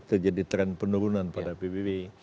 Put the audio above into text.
terjadi tren penurunan pada pbb